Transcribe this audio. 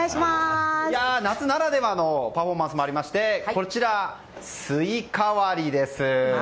夏ならではのパフォーマンスもありまして、スイカ割りです。